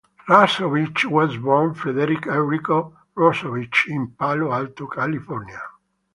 Rossovich was born Frederic Enrico Rossovich in Palo Alto, California.